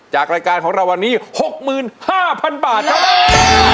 จากรายการของเราวันนี้๖๕๐๐๐บาทครับ